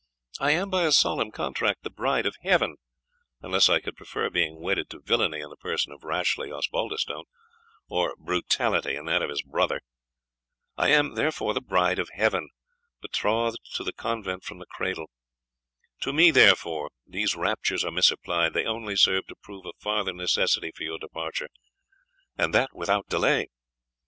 I am, by a solemn contract, the bride of Heaven, unless I could prefer being wedded to villany in the person of Rashleigh Osbaldistone, or brutality in that of his brother. I am, therefore, the bride of Heaven, betrothed to the convent from the cradle. To me, therefore, these raptures are misapplied they only serve to prove a farther necessity for your departure, and that without delay."